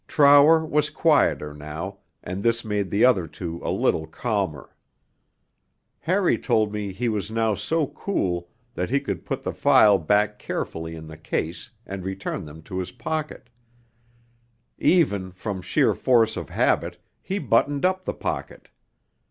Trower was quieter now, and this made the other two a little calmer. Harry told me he was now so cool that he could put the phial back carefully in the case and return them to his pocket; even, from sheer force of habit, he buttoned up the pocket.